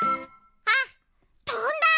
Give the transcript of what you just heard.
あとんだ！